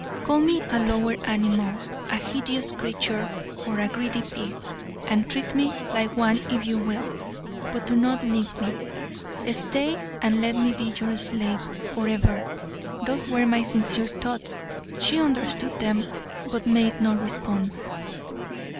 "Call me a lower animal, a hideous creature or a greedy pig, and treat me like one if you will, but do not leave me. Stay and let me be your slave forever." Those were my sincere thoughts. She understood them, but made no response.